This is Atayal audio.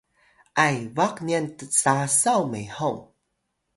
ay baq nyan tsasaw mehong